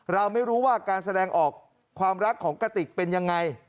เราไม่รู้ว่าการแสดงออกความรักของกระติกเป็นยังไง